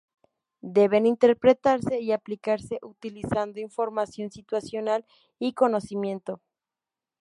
Deben interpretarse y aplicarse utilizando información situacional y conocimiento.